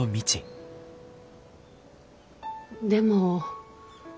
でも。